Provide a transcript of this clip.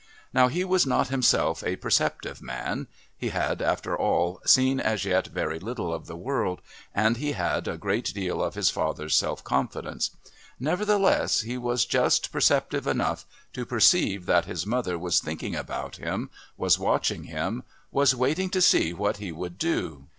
Now he was not himself a perceptive man; he had, after all, seen as yet very little of the world, and he had a great deal of his father's self confidence; nevertheless, he was just perceptive enough to perceive that his mother was thinking about him, was watching him, was waiting to see what he would do....